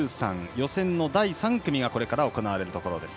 予選の第３組がこれから行われます。